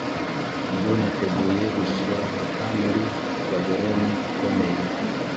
ubu niteguye gusohoka muri babuloni ikomeye